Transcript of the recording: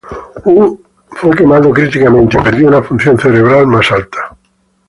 Woo fue quemado críticamente y perdió una función cerebral más alta.